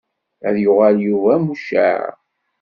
Ad yuɣal Yuba mucaɛ.